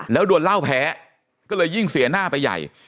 แล้วโดนเหล้าแพ้ก็เลยยิ่งเสียหน้าไปใหญ่